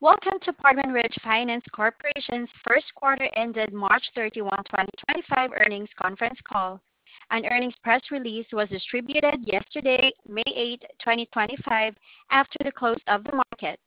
Welcome to Portman Ridge Finance Corporation's First Quarter-ended March 31, 2025 Earnings Conference Call. An earnings press release was distributed yesterday, May 8, 2025, after the close of the market.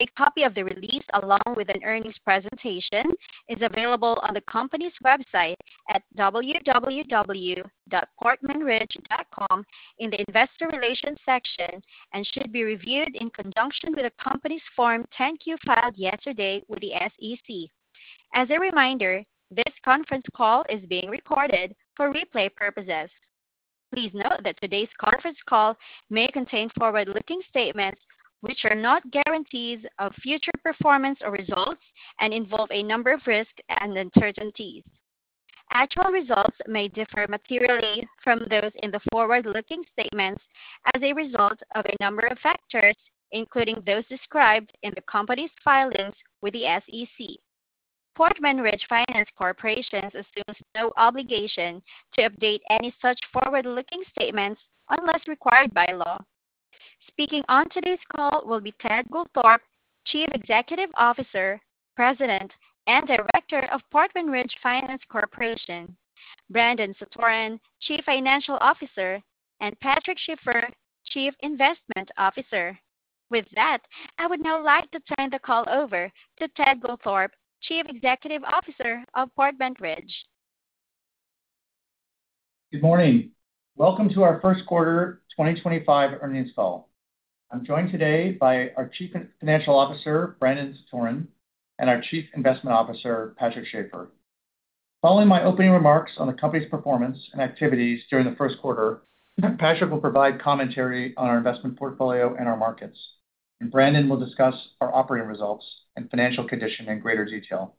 A copy of the release, along with an earnings presentation, is available on the company's website at www.portmanridge.com in the Investor Relations section and should be reviewed in conjunction with the company's Form 10Q filed yesterday with the SEC. As a reminder, this conference call is being recorded for replay purposes. Please note that today's conference call may contain forward-looking statements which are not guarantees of future performance or results and involve a number of risks and uncertainties. Actual results may differ materially from those in the forward-looking statements as a result of a number of factors, including those described in the company's filings with the SEC. Portman Ridge Finance Corporation assumes no obligation to update any such forward-looking statements unless required by law. Speaking on today's call will be Ted Goldthorpe, Chief Executive Officer, President, and Director of Portman Ridge Finance Corporation, Brandon Satoran, Chief Financial Officer, and Patrick Schiffer, Chief Investment Officer. With that, I would now like to turn the call over to Ted Goldthorpe, Chief Executive Officer of Portman Ridge. Good morning. Welcome to our first quarter 2025 earnings call. I'm joined today by our Chief Financial Officer, Brandon Satoran, and our Chief Investment Officer, Patrick Schiffer. Following my opening remarks on the company's performance and activities during the first quarter, Patrick will provide commentary on our investment portfolio and our markets, and Brandon will discuss our operating results and financial condition in greater detail.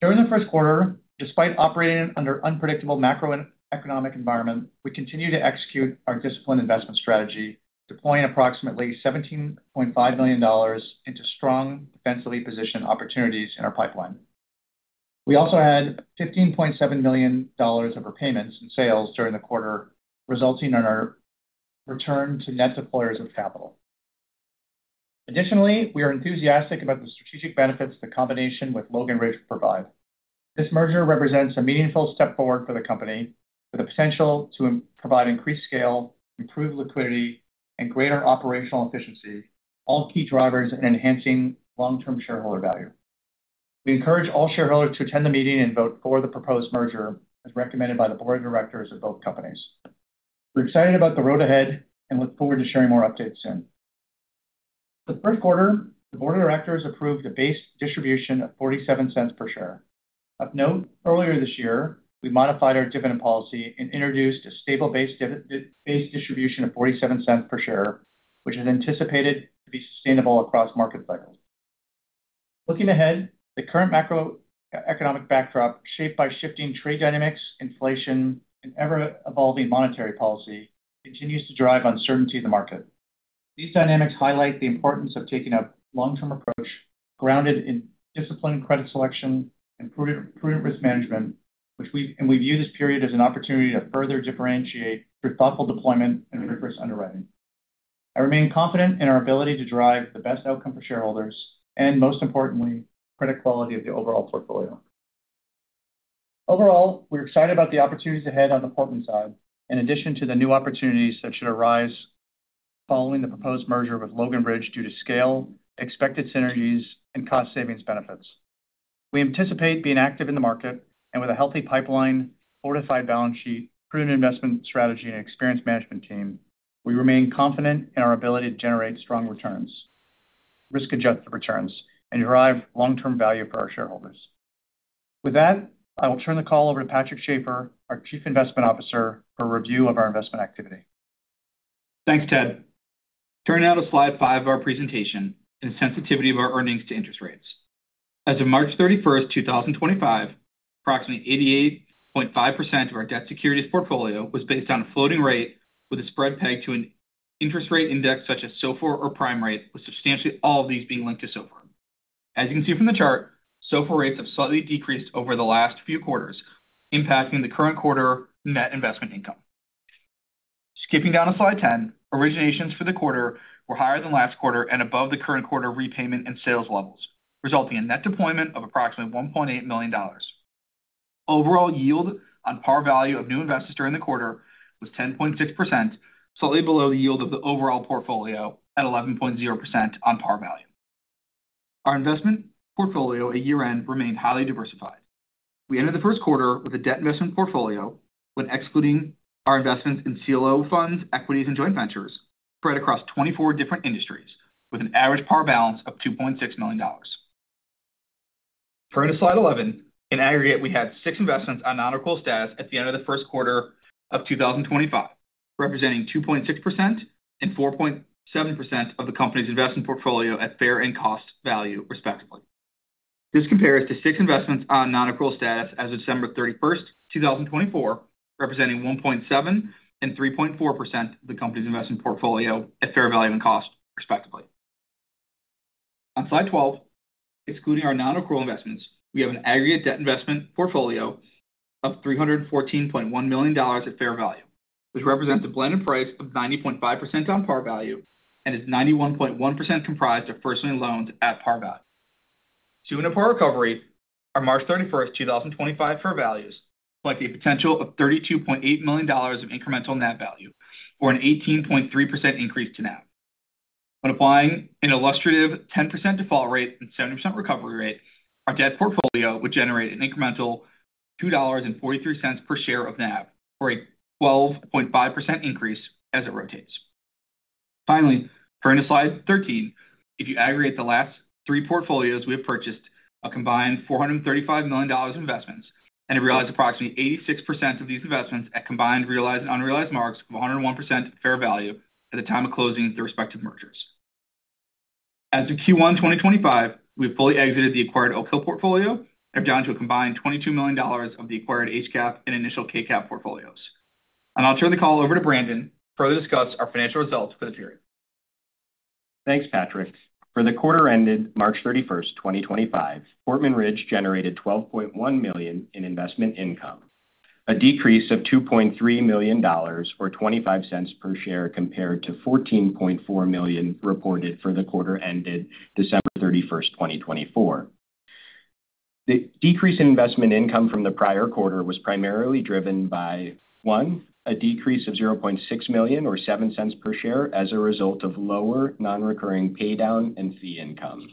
During the first quarter, despite operating under unpredictable macroeconomic environment, we continued to execute our disciplined investment strategy, deploying approximately $17.5 million into strong defensively positioned opportunities in our pipeline. We also had $15.7 million of repayments in sales during the quarter, resulting in our return to net deployers of capital. Additionally, we are enthusiastic about the strategic benefits the combination with Logan Ridge provides. This merger represents a meaningful step forward for the company, with the potential to provide increased scale, improved liquidity, and greater operational efficiency, all key drivers in enhancing long-term shareholder value. We encourage all shareholders to attend the meeting and vote for the proposed merger, as recommended by the board of directors of both companies. We're excited about the road ahead and look forward to sharing more updates soon. The first quarter, the board of directors approved a base distribution of $0.47 per share. Of note, earlier this year, we modified our dividend policy and introduced a stable base distribution of $0.47 per share, which is anticipated to be sustainable across market cycles. Looking ahead, the current macroeconomic backdrop, shaped by shifting trade dynamics, inflation, and ever-evolving monetary policy, continues to drive uncertainty in the market. These dynamics highlight the importance of taking a long-term approach grounded in disciplined credit selection and prudent risk management, and we view this period as an opportunity to further differentiate through thoughtful deployment and rigorous underwriting. I remain confident in our ability to drive the best outcome for shareholders and, most importantly, credit quality of the overall portfolio. Overall, we're excited about the opportunities ahead on the BCP Investment Corporation side, in addition to the new opportunities that should arise following the proposed merger with Logan Ridge due to scale, expected synergies, and cost savings benefits. We anticipate being active in the market, and with a healthy pipeline, fortified balance sheet, prudent investment strategy, and experienced management team, we remain confident in our ability to generate strong returns, risk-adjusted returns, and derive long-term value for our shareholders. With that, I will turn the call over to Patrick Schiffer, our Chief Investment Officer, for a review of our investment activity. Thanks, Ted. Turning now to slide five of our presentation and the sensitivity of our earnings to interest rates. As of March 31, 2025, approximately 88.5% of our debt securities portfolio was based on a floating rate, with a spread pegged to an interest rate index such as SOFR or Prime rate, with substantially all of these being linked to SOFR. As you can see from the chart, SOFR rates have slightly decreased over the last few quarters, impacting the current quarter net investment income. Skipping down to slide 10, originations for the quarter were higher than last quarter and above the current quarter repayment and sales levels, resulting in net deployment of approximately $1.8 million. Overall yield on par value of new investors during the quarter was 10.6%, slightly below the yield of the overall portfolio at 11.0% on par value. Our investment portfolio at year-end remained highly diversified. We entered the first quarter with a debt investment portfolio, when excluding our investments in CLO funds, equities, and joint ventures, spread across 24 different industries, with an average par balance of $2.6 million. Turning to slide 11, in aggregate, we had six investments on non-accrual status at the end of the first quarter of 2025, representing 2.6% and 4.7% of the company's investment portfolio at fair and cost value, respectively. This compares to six investments on non-accrual status as of December 31, 2024, representing 1.7% and 3.4% of the company's investment portfolio at fair value and cost, respectively. On slide 12, excluding our non-accrual investments, we have an aggregate debt investment portfolio of $314.1 million at fair value, which represents a blended price of 90.5% on par value and is 91.1% comprised of first-lien loans at par value. Assuming a par recovery, our March 31, 2025, fair values point to a potential of $32.8 million of incremental net value, or an 18.3% increase to NAV. When applying an illustrative 10% default rate and 70% recovery rate, our debt portfolio would generate an incremental of $2.43 per share of NAV, or a 12.5% increase as it rotates. Finally, turning to slide 13, if you aggregate the last three portfolios we have purchased, a combined $435 million in investments, and realized approximately 86% of these investments at combined realized and unrealized marks of 101% fair value at the time of closing the respective mergers. As of Q1 2025, we have fully exited the acquired Oakhill portfolio and have gone to a combined $22 million of the acquired HCAP and initial KCAP portfolios. I'll turn the call over to Brandon to further discuss our financial results for the period. Thanks, Patrick. For the quarter-ended March 31, 2025, BCP Investment Corporation generated $12.1 million in investment income, a decrease of $2.3 million, or $0.25 per share, compared to $14.4 million reported for the quarter-ended December 31, 2024. The decrease in investment income from the prior quarter was primarily driven by, one, a decrease of $0.6 million, or $0.07 per share, as a result of lower non-recurring paydown and fee income;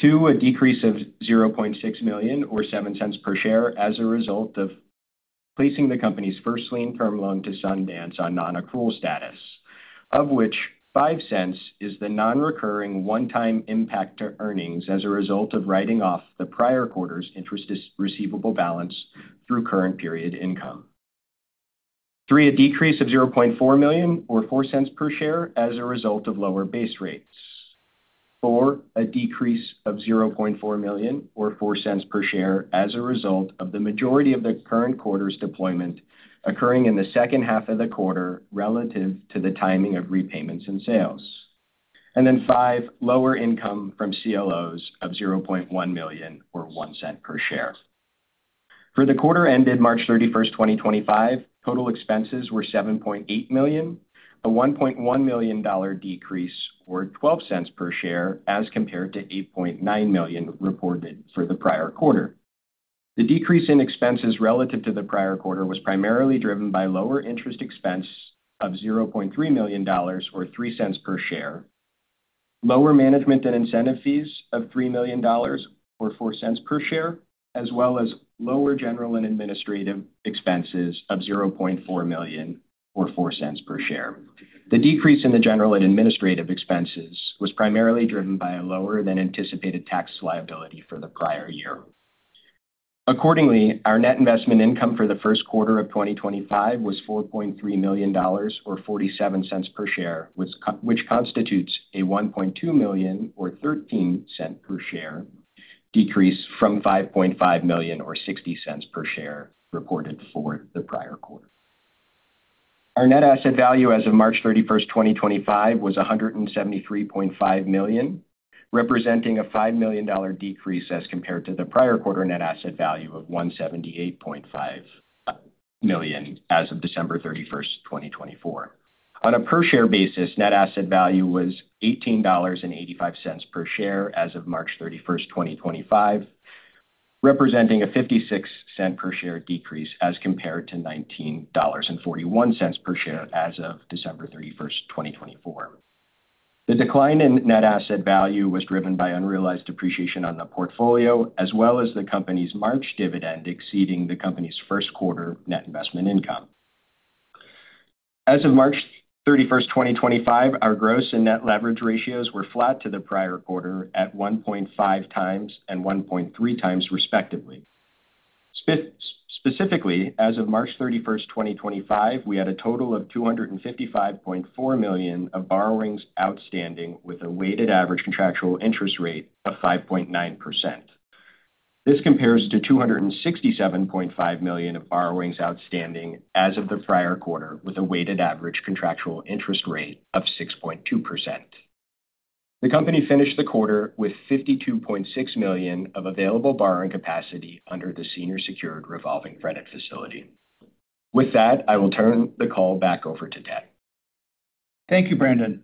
two, a decrease of $0.6 million, or $0.07 per share, as a result of placing the company's first-lien loan to Sundance on non-accrual status, of which $0.05 is the non-recurring one-time impact to earnings as a result of writing off the prior quarter's interest receivable balance through current period income; three, a decrease of $0.4 million, or $0.04 per share, as a result of lower base rates; four, a decrease of $0.4 million, or $0.04 per share, as a result of the majority of the current quarter's deployment occurring in the second half of the quarter relative to the timing of repayments and sales; and then five, lower income from CLOs of $0.1 million, or $0.01 per share. For the quarter-ended March 31, 2025, total expenses were $7.8 million, a $1.1 million decrease, or $0.12 per share, as compared to $8.9 million reported for the prior quarter. The decrease in expenses relative to the prior quarter was primarily driven by lower interest expense of $0.3 million, or $0.03 per share, lower management and incentive fees of $0.3 million, or $0.04 per share, as well as lower general and administrative expenses of $0.4 million, or $0.04 per share. The decrease in the general and administrative expenses was primarily driven by a lower-than-anticipated tax liability for the prior year. Accordingly, our net investment income for the first quarter of 2025 was $4.3 million, or $0.47 per share, which constitutes a $1.2 million, or $0.13 per share, decrease from $5.5 million, or $0.60 per share, reported for the prior quarter. Our net asset value as of March 31, 2025, was $173.5 million, representing a $5 million decrease as compared to the prior quarter net asset value of $178.5 million as of December 31, 2024. On a per-share basis, net asset value was $18.85 per share as of March 31, 2025, representing a $0.56 per share decrease as compared to $19.41 per share as of December 31, 2024. The decline in net asset value was driven by unrealized depreciation on the portfolio, as well as the company's March dividend exceeding the company's first quarter net investment income. As of March 31, 2025, our gross and net leverage ratios were flat to the prior quarter at 1.5 times and 1.3 times, respectively. Specifically, as of March 31, 2025, we had a total of $255.4 million of borrowings outstanding with a weighted average contractual interest rate of 5.9%. This compares to $267.5 million of borrowings outstanding as of the prior quarter with a weighted average contractual interest rate of 6.2%. The company finished the quarter with $52.6 million of available borrowing capacity under the senior secured revolving credit facility. With that, I will turn the call back over to Ted. Thank you, Brandon.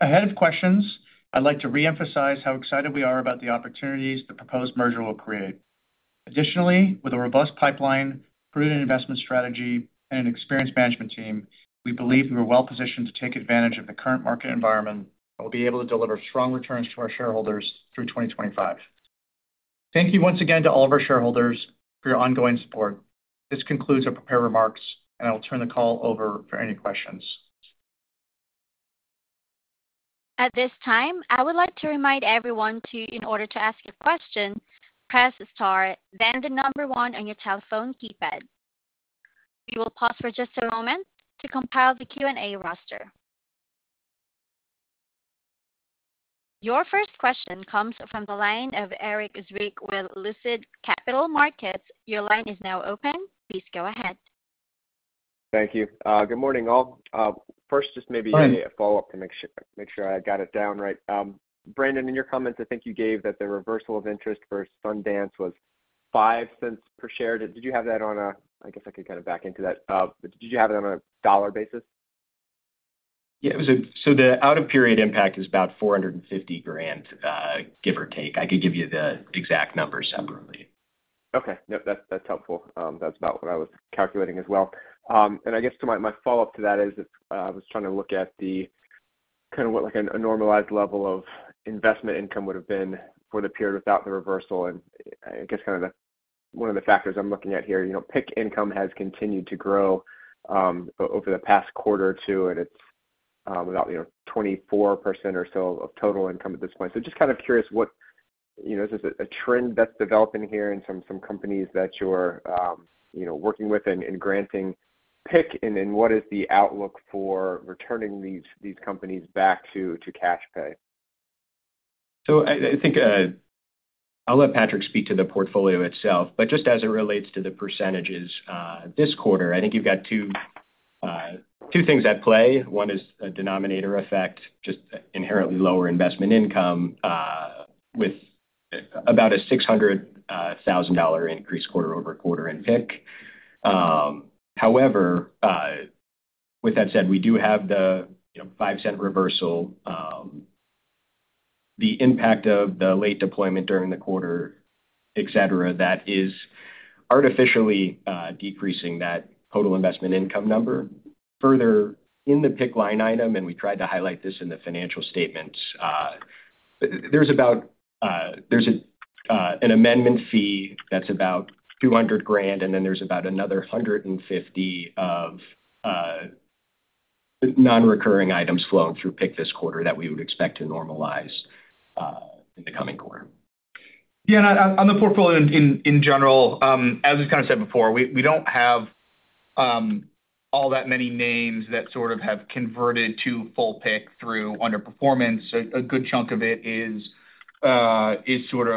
Ahead of questions, I'd like to re-emphasize how excited we are about the opportunities the proposed merger will create. Additionally, with a robust pipeline, prudent investment strategy, and an experienced management team, we believe we are well-positioned to take advantage of the current market environment and will be able to deliver strong returns to our shareholders through 2025. Thank you once again to all of our shareholders for your ongoing support. This concludes our prepared remarks, and I will turn the call over for any questions. At this time, I would like to remind everyone to, in order to ask a question, press star, then the number one on your telephone keypad. We will pause for just a moment to compile the Q&A roster. Your first question comes from the line of Eric Zwicke with Lucid Capital Markets. Your line is now open. Please go ahead. Thank you. Good morning, all. First, just maybe a follow-up to make sure I got it down right. Brandon, in your comments, I think you gave that the reversal of interest for Sundance was $0.05 per share. Did you have that on a—I guess I could kind of back into that. Did you have it on a dollar basis? Yeah. The out-of-period impact is about $450,000, give or take. I could give you the exact number separately. Okay. No, that's helpful. That's about what I was calculating as well. I guess my follow-up to that is I was trying to look at kind of what a normalized level of investment income would have been for the period without the reversal. I guess kind of one of the factors I'm looking at here, PIC income has continued to grow over the past quarter or two, and it's about 24% or so of total income at this point. Just kind of curious, is this a trend that's developing here in some companies that you're working with and granting PIC, and what is the outlook for returning these companies back to cash pay? I think I'll let Patrick speak to the portfolio itself. Just as it relates to the percentages this quarter, I think you've got two things at play. One is a denominator effect, just inherently lower investment income, with about a $600,000 increase quarter over quarter in PIC. However, with that said, we do have the $0.05 reversal, the impact of the late deployment during the quarter, etc., that is artificially decreasing that total investment income number. Further, in the PIC line item, and we tried to highlight this in the financial statements, there's an amendment fee that's about $200,000, and then there's about another $150,000 of non-recurring items flowing through PIC this quarter that we would expect to normalize in the coming quarter. Yeah. On the portfolio in general, as we kind of said before, we do not have all that many names that sort of have converted to full PIC through underperformance. A good chunk of it is sort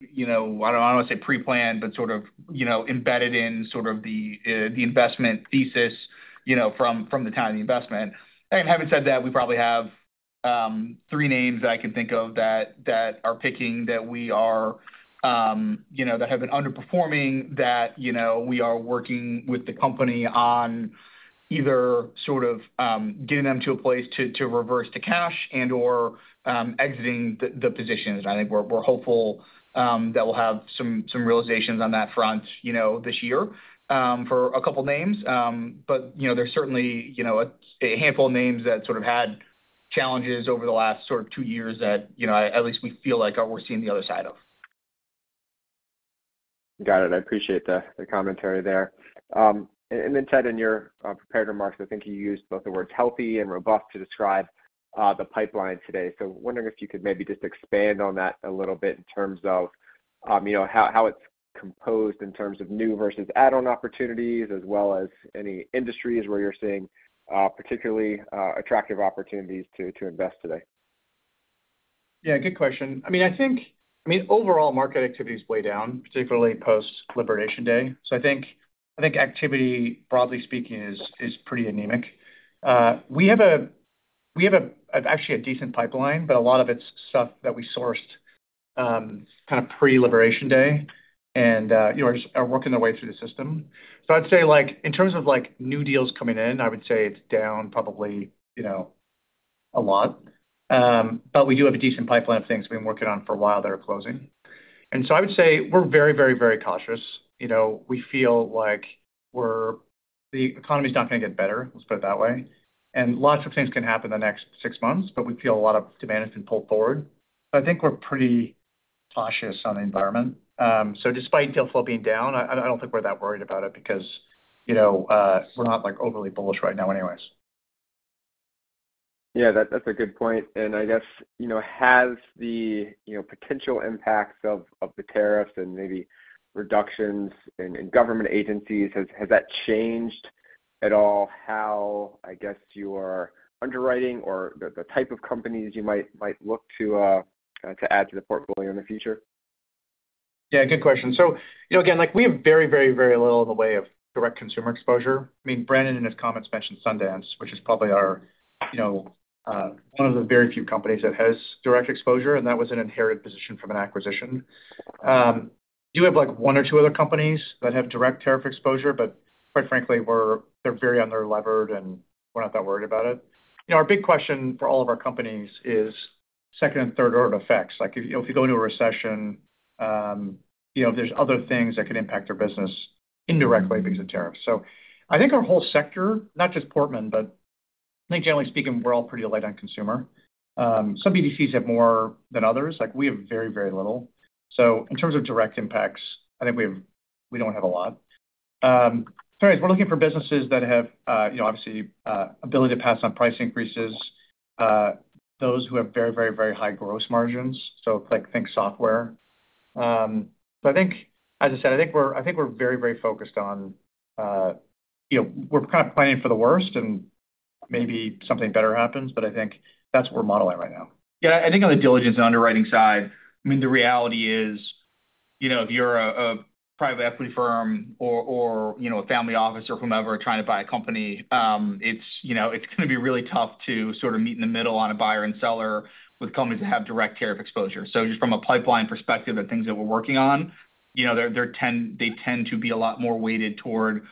of—I do not want to say pre-planned, but sort of embedded in sort of the investment thesis from the time of the investment. Having said that, we probably have three names that I can think of that are PICing that have been underperforming, that we are working with the company on either sort of getting them to a place to reverse to cash and/or exiting the positions. I think we are hopeful that we will have some realizations on that front this year for a couple of names. There is certainly a handful of names that sort of had challenges over the last sort of two years that at least we feel like we're seeing the other side of. Got it. I appreciate the commentary there. Ted, in your prepared remarks, I think you used both the words healthy and robust to describe the pipeline today. I am wondering if you could maybe just expand on that a little bit in terms of how it is composed in terms of new versus add-on opportunities, as well as any industries where you are seeing particularly attractive opportunities to invest today. Yeah. Good question. I mean, I think, I mean, overall, market activity is way down, particularly post-liberation day. I think activity, broadly speaking, is pretty anemic. We have actually a decent pipeline, but a lot of it is stuff that we sourced kind of pre-liberation day and are working their way through the system. I would say in terms of new deals coming in, I would say it is down probably a lot. We do have a decent pipeline of things we have been working on for a while that are closing. I would say we are very, very, very cautious. We feel like the economy is not going to get better, let us put it that way. Lots of things can happen in the next six months, but we feel a lot of demand has been pulled forward. I think we are pretty cautious on the environment. Despite deal flow being down, I don't think we're that worried about it because we're not overly bullish right now anyways. Yeah. That's a good point. I guess, has the potential impacts of the tariffs and maybe reductions in government agencies, has that changed at all how, I guess, you are underwriting or the type of companies you might look to add to the portfolio in the future? Yeah. Good question. Again, we have very, very, very little in the way of direct consumer exposure. I mean, Brandon in his comments mentioned Sundance, which is probably one of the very few companies that has direct exposure, and that was an inherited position from an acquisition. We do have one or two other companies that have direct tariff exposure, but quite frankly, they are very under-levered, and we are not that worried about it. Our big question for all of our companies is second and third-order effects. If you go into a recession, there are other things that can impact their business indirectly because of tariffs. I think our whole sector, not just BCP Investment Corporation, but I think, generally speaking, we are all pretty light on consumer. Some BDCs have more than others. We have very, very little. In terms of direct impacts, I think we do not have a lot. Anyways, we're looking for businesses that have, obviously, the ability to pass on price increases, those who have very, very, very high gross margins, so think software. I think, as I said, we're very, very focused on we're kind of planning for the worst, and maybe something better happens, but I think that's what we're modeling right now. Yeah. I think on the diligence and underwriting side, I mean, the reality is if you're a private equity firm or a family office or whomever trying to buy a company, it's going to be really tough to sort of meet in the middle on a buyer and seller with companies that have direct tariff exposure. Just from a pipeline perspective and things that we're working on, they tend to be a lot more weighted toward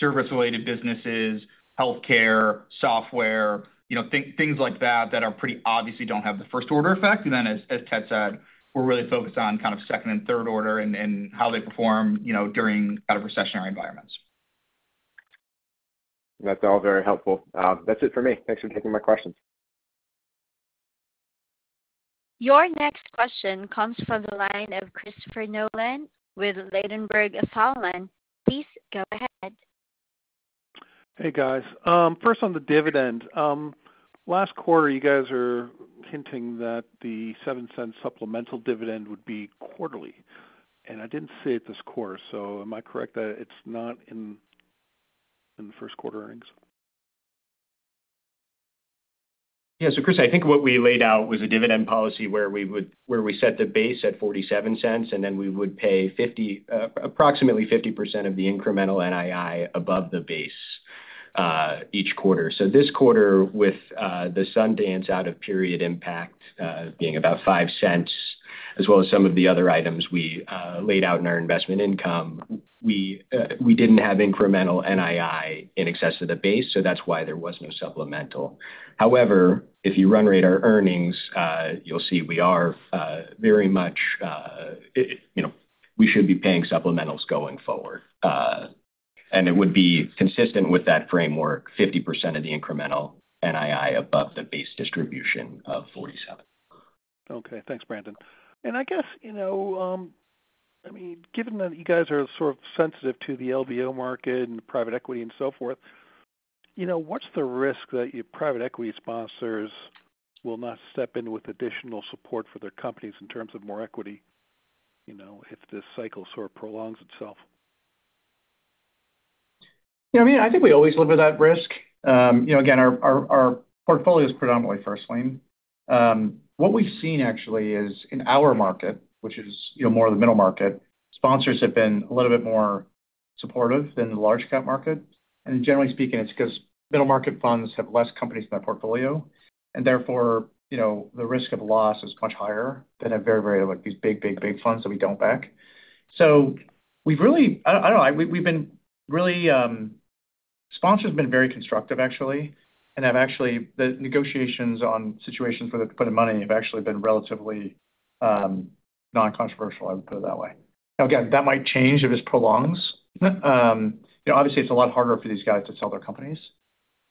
service-related businesses, healthcare, software, things like that that are pretty obviously don't have the first-order effect. Then, as Ted said, we're really focused on kind of second and third order and how they perform during kind of recessionary environments. That's all very helpful. That's it for me. Thanks for taking my questions. Your next question comes from the line of Christopher Nolan with Ladenburg Thalmann. Please go ahead. Hey, guys. First, on the dividend. Last quarter, you guys are hinting that the $0.07 supplemental dividend would be quarterly. I did not see it this quarter. Am I correct that it is not in the first quarter earnings? Yeah. Chris, I think what we laid out was a dividend policy where we set the base at $0.47, and then we would pay approximately 50% of the incremental NII above the base each quarter. This quarter, with the Sundance out-of-period impact being about $0.05, as well as some of the other items we laid out in our investment income, we did not have incremental NII in excess of the base, so that is why there was no supplemental. However, if you run rate our earnings, you will see we are very much—we should be paying supplementals going forward. It would be consistent with that framework, 50% of the incremental NII above the base distribution of $0.47. Okay. Thanks, Brandon. I guess, I mean, given that you guys are sort of sensitive to the LBO market and private equity and so forth, what's the risk that your private equity sponsors will not step in with additional support for their companies in terms of more equity if this cycle sort of prolongs itself? Yeah. I mean, I think we always live with that risk. Again, our portfolio is predominantly first-lien. What we've seen, actually, is in our market, which is more of the middle market, sponsors have been a little bit more supportive than the large-cap market. Generally speaking, it's because middle-market funds have fewer companies in their portfolio, and therefore, the risk of loss is much higher than a very, very—like these big, big, big funds that we do not back. We've really—I do not know. Sponsors have been very constructive, actually. The negotiations on situations where they're putting money have actually been relatively non-controversial, I would put it that way. Now, again, that might change if this prolongs. Obviously, it's a lot harder for these guys to sell their companies.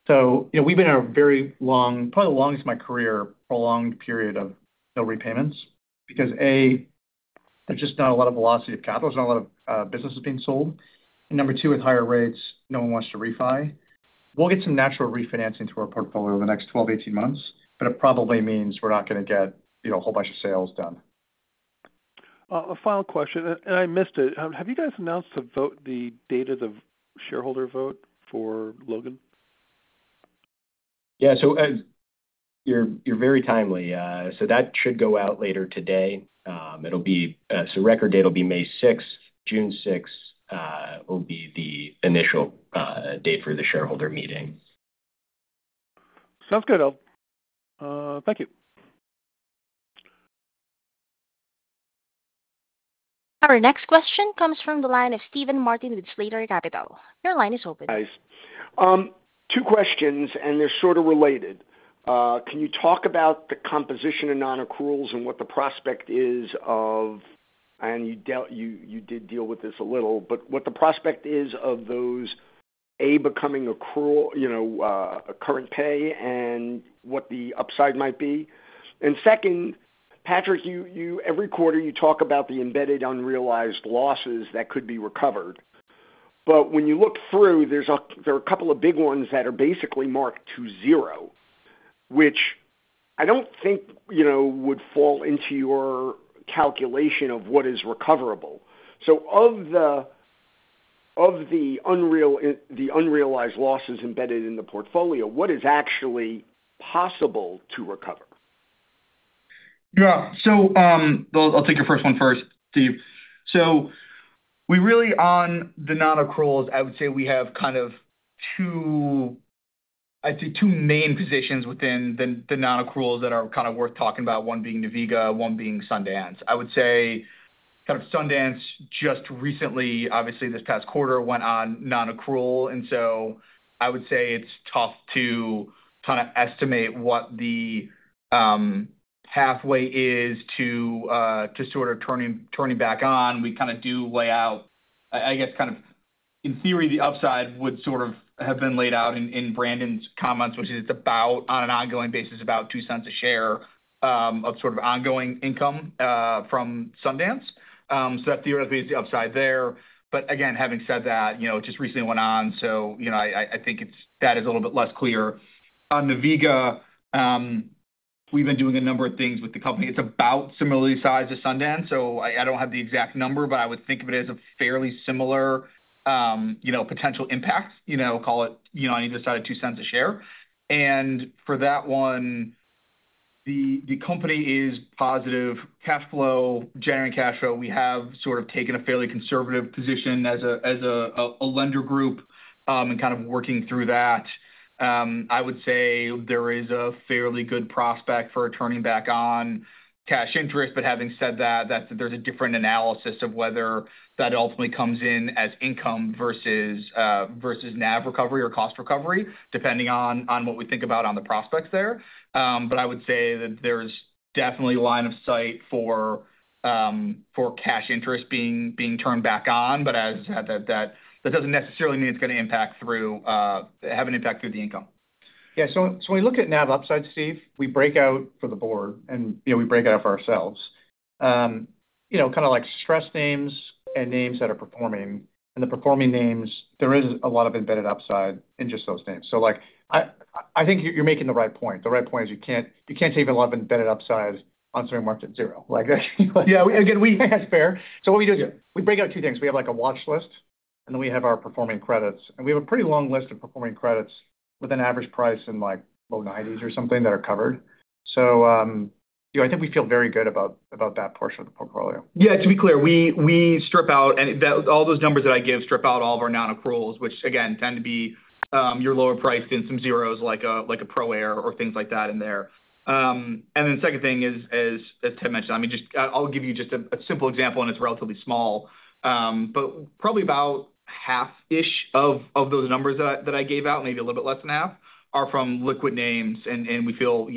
We've been in a very long, probably the longest in my career, prolonged period of no repayments because, A, there's just not a lot of velocity `of capital. There's not a lot of businesses being sold. Number two, with higher rates, no one wants to refi. We'll get some natural refinancing to our portfolio over the next 12-18 months, but it probably means we're not going to get a whole bunch of sales done. A final question, and I missed it. Have you guys announced the date of the shareholder vote for Logan? Yeah. So you're very timely. That should go out later today. The record date will be May 6th. June 6th will be the initial date for the shareholder meeting. Sounds good. Thank you. Our next question comes from the line of Steven Martin with Slater Capital. Your line is open. Guys. Two questions, and they're sort of related. Can you talk about the composition of non-accruals and what the prospect is of—and you did deal with this a little—what the prospect is of those, A, becoming accrual current pay and what the upside might be? Second, Patrick, every quarter, you talk about the embedded unrealized losses that could be recovered. When you look through, there are a couple of big ones that are basically marked to zero, which I don't think would fall into your calculation of what is recoverable. Of the unrealized losses embedded in the portfolio, what is actually possible to recover? Yeah. I'll take your first one first, Steve. Really, on the non-accruals, I would say we have, I'd say, two main positions within the non-accruals that are worth talking about, one being NVIGA, one being Sundance. I would say Sundance just recently, obviously, this past quarter went on non-accrual. I would say it's tough to estimate what the pathway is to turning back on. We do lay out, I guess, in theory, the upside would have been laid out in Brandon's comments, which is on an ongoing basis, about $0.02 a share of ongoing income from Sundance. That theoretically is the upside there. Again, having said that, it just recently went on, so I think that is a little bit less clear. On NVIGA, we've been doing a number of things with the company. It's about similarly sized as Sundance. I don't have the exact number, but I would think of it as a fairly similar potential impact. Call it on either side of $0.02 a share. For that one, the company is positive cash flow, generating cash flow. We have sort of taken a fairly conservative position as a lender group and kind of working through that. I would say there is a fairly good prospect for turning back on cash interest. Having said that, there's a different analysis of whether that ultimately comes in as income versus NAV recovery or cost recovery, depending on what we think about on the prospects there. I would say that there's definitely a line of sight for cash interest being turned back on. As I said, that does not necessarily mean it is going to have an impact through the income. Yeah. When we look at NAV upside, Steve, we break out for the board, and we break out for ourselves, kind of like stress names and names that are performing. The performing names, there is a lot of embedded upside in just those names. I think you are making the right point. The right point is you cannot save a lot of embedded upside on something marked at zero. Yeah. That is fair. What we do is we break out two things. We have a watch list, and then we have our performing credits. We have a pretty long list of performing credits with an average price in low 90s or something that are covered. I think we feel very good about that portion of the portfolio. Yeah. To be clear, we strip out all those numbers that I give, strip out all of our non-accruals, which, again, tend to be your lower priced and some zeros like a ProAir or things like that in there. The second thing is, as Ted mentioned, I mean, I'll give you just a simple example, and it's relatively small, but probably about half-ish of those numbers that I gave out, maybe a little bit less than half, are from liquid names. We feel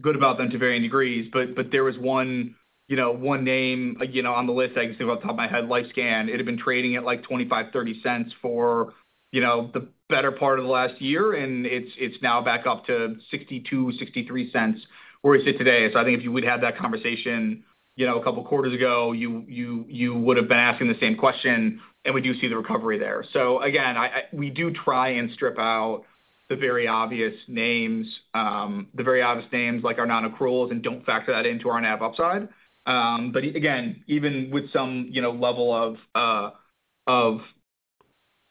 good about them to varying degrees. There was one name on the list I can think of off the top of my head, Lifescan. It had been trading at like $0.25-$0.30 for the better part of the last year, and it's now back up to $0.62-$0.63 where we sit today. I think if you would have had that conversation a couple of quarters ago, you would have been asking the same question, and we do see the recovery there. Again, we do try and strip out the very obvious names, the very obvious names like our non-accruals and do not factor that into our NAV upside. Again, even with some level of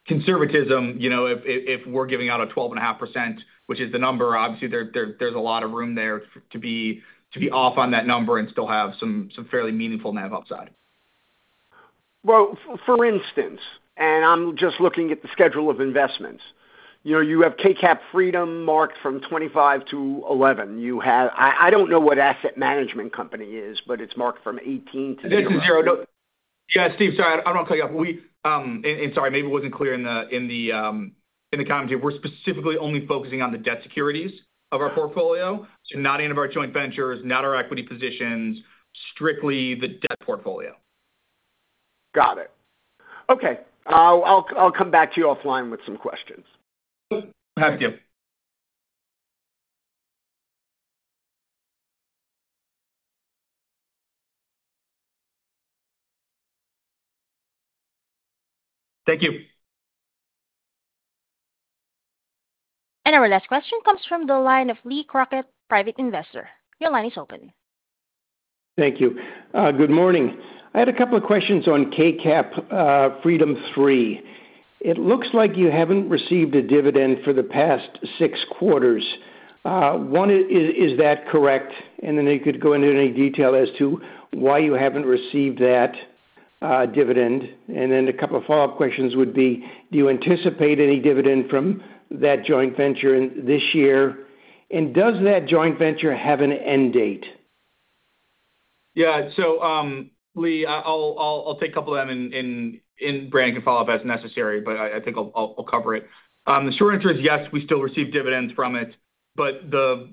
conservatism, if we are giving out a 12.5%, which is the number, obviously, there is a lot of room there to be off on that number and still have some fairly meaningful NAV upside. For instance, and I'm just looking at the schedule of investments. You have Kcap Freedom marked from $25 to $11. I don't know what asset management company is, but it's marked from $18 to zero. Yeah. Steve, sorry. I do not want to cut you off. Sorry, maybe it was not clear in the commentary. We are specifically only focusing on the debt securities of our portfolio. Not any of our joint ventures, not our equity positions, strictly the debt portfolio. Got it. Okay. I'll come back to you offline with some questions. Thank you. Our last question comes from the line of Lee Crockett, Private Investor. Your line is open. Thank you. Good morning. I had a couple of questions on Kcap Freedom 3. It looks like you haven't received a dividend for the past six quarters. Is that correct? Could you go into any detail as to why you haven't received that dividend? A couple of follow-up questions would be, do you anticipate any dividend from that joint venture this year? Does that joint venture have an end date? Yeah. Lee, I'll take a couple of them and Brandon can follow up as necessary, but I think I'll cover it. The short answer is yes, we still receive dividends from it. A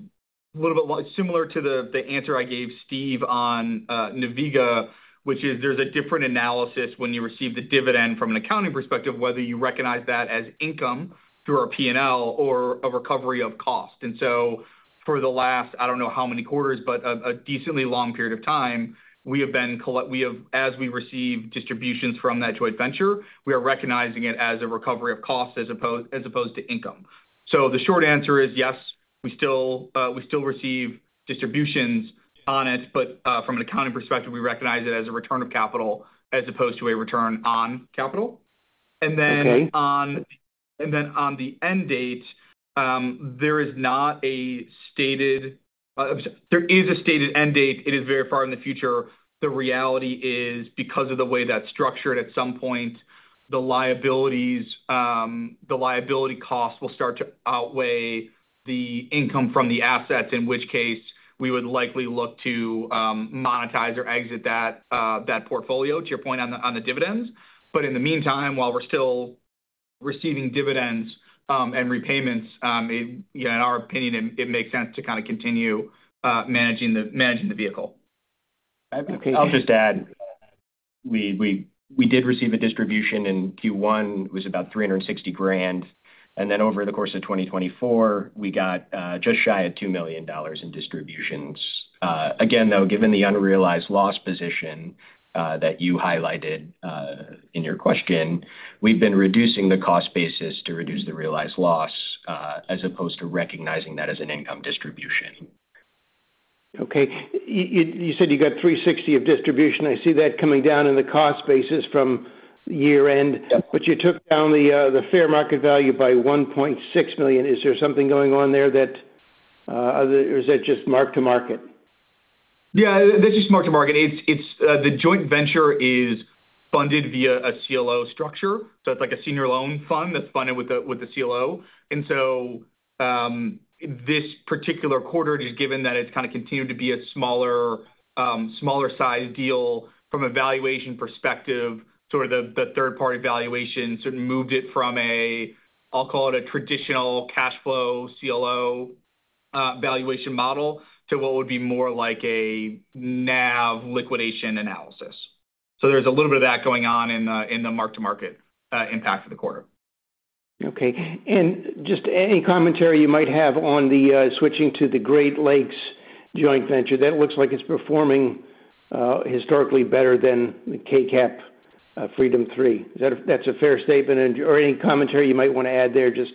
little bit similar to the answer I gave Steve on NVIGA, which is there's a different analysis when you receive the dividend from an accounting perspective, whether you recognize that as income through our P&L or a recovery of cost. For the last, I don't know how many quarters, but a decently long period of time, we have been, as we receive distributions from that joint venture, we are recognizing it as a recovery of cost as opposed to income. The short answer is yes, we still receive distributions on it, but from an accounting perspective, we recognize it as a return of capital as opposed to a return on capital. On the end date, there is a stated end date. It is very far in the future. The reality is, because of the way that's structured, at some point, the liability costs will start to outweigh the income from the assets, in which case we would likely look to monetize or exit that portfolio to your point on the dividends. In the meantime, while we're still receiving dividends and repayments, in our opinion, it makes sense to kind of continue managing the vehicle. I'll just add, we did receive a distribution in Q1. It was about $360,000. And then over the course of 2024, we got just shy of $2 million in distributions. Again, though, given the unrealized loss position that you highlighted in your question, we've been reducing the cost basis to reduce the realized loss as opposed to recognizing that as an income distribution. Okay. You said you got $360 of distribution. I see that coming down in the cost basis from year-end, but you took down the fair market value by $1.6 million. Is there something going on there that—or is that just mark to market? Yeah. That's just mark to market. The joint venture is funded via a CLO structure. It is like a senior loan fund that's funded with the CLO. This particular quarter, just given that it's kind of continued to be a smaller-sized deal from a valuation perspective, sort of the third-party valuation sort of moved it from a—I'll call it a traditional cash flow CLO valuation model to what would be more like a NAV liquidation analysis. There is a little bit of that going on in the mark to market impact for the quarter. Okay. Just any commentary you might have on the switching to the Great Lakes joint venture? That looks like it's performing historically better than the Kcap Freedom 3. That's a fair statement. Or any commentary you might want to add there? Just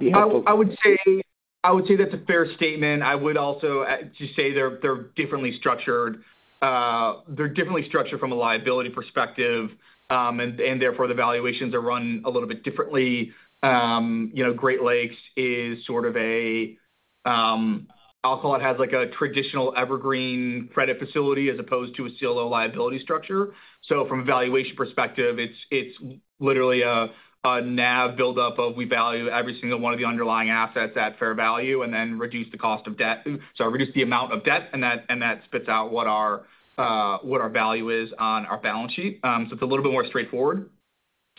be helpful. I would say that's a fair statement. I would also just say they're differently structured. They're differently structured from a liability perspective, and therefore the valuations are run a little bit differently. Great Lakes is sort of a, I'll call it, has a traditional evergreen credit facility as opposed to a CLO liability structure. From a valuation perspective, it's literally a NAV buildup of we value every single one of the underlying assets at fair value and then reduce the cost of debt, sorry, reduce the amount of debt, and that spits out what our value is on our balance sheet. It is a little bit more straightforward,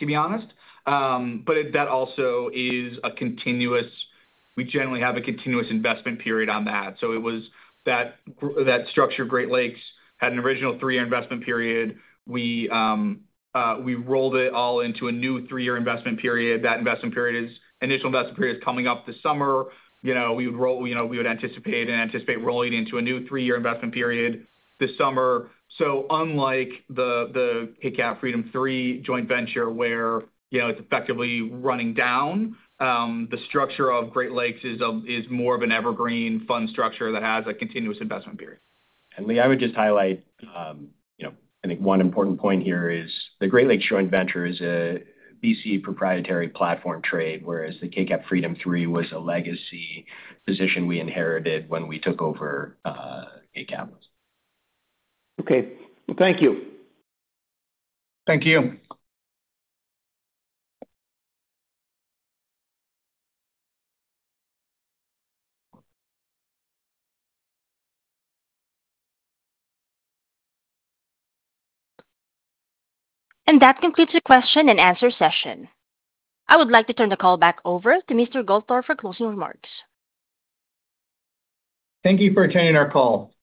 to be honest. That also is a continuous—we generally have a continuous investment period on that. It was that structure, Great Lakes, had an original three-year investment period. We rolled it all into a new three-year investment period. That initial investment period is coming up this summer. We would anticipate and anticipate rolling it into a new three-year investment period this summer. Unlike the Kcap Freedom 3 joint venture, where it is effectively running down, the structure of Great Lakes is more of an evergreen fund structure that has a continuous investment period. Lee, I would just highlight, I think one important point here is the Great Lakes joint venture is a VC proprietary platform trade, whereas the Kcap Freedom 3 was a legacy position we inherited when we took over KCAP. Okay. Thank you. Thank you. That concludes the question and answer session. I would like to turn the call back over to Mr. Goldthorpe for closing remarks. Thank you for attending our call.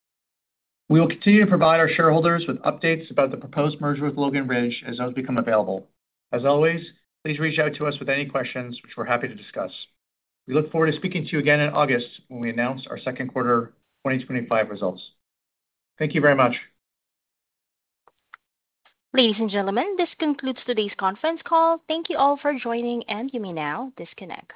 We will continue to provide our shareholders with updates about the proposed merger with Logan Ridge as those become available. As always, please reach out to us with any questions, which we're happy to discuss. We look forward to speaking to you again in August when we announce our second quarter 2025 results. Thank you very much. Ladies and gentlemen, this concludes today's conference call. Thank you all for joining, and you may now disconnect.